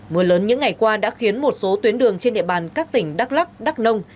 mưa lớn những ngày qua đã khiến một số tuyến đường trên địa bàn các tỉnh đắk lắc đắk nông